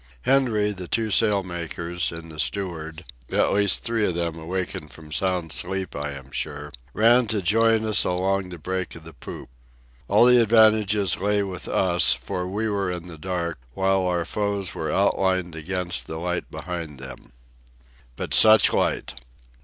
Henry, the two sail makers, and the steward—at least three of them awakened from sound sleep, I am sure—ran to join us along the break of the poop. All the advantage lay with us, for we were in the dark, while our foes were outlined against the light behind them. But such light!